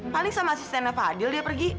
paling sama asistennya fadil dia pergi